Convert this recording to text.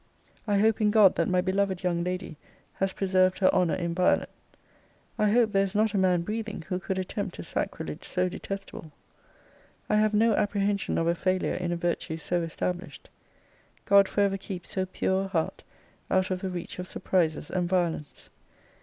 I hope in God that my beloved young lady has preserved her honour inviolate. I hope there is not a man breathing who could attempt a sacrilege so detestable. I have no apprehension of a failure in a virtue so established. God for ever keep so pure a heart out of the reach of surprises and violence!